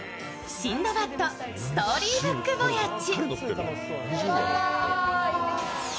シンドバッド・ストーリーブック・ヴォヤッジ。